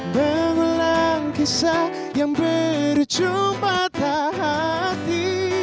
mengulang kisah yang berjumpa tak hati